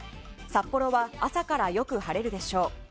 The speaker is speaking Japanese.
札幌は朝からよく晴れるでしょう。